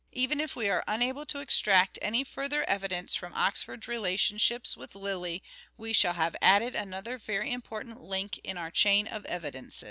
Even if we are unable to extract any further evidence from Oxford's relationships with Lyly we shall have added another very important link in our chain of evidences.